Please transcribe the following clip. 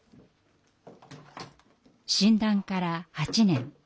診断から８年。